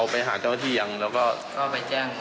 ไม่เห็นได้ตัวเองก็คือถึงได้แจ้ง